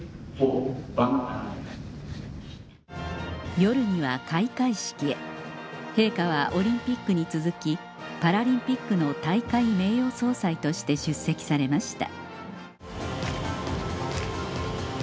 夜には開会式へ陛下はオリンピックに続きパラリンピックの大会名誉総裁として出席されました